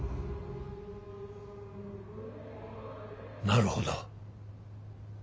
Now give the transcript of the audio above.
なるほど。